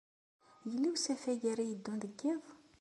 Yella usafag ara yeddun deg yiḍ?